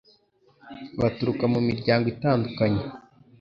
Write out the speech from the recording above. baturuka mu miryango itandukanye